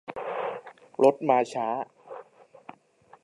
รถมาช้า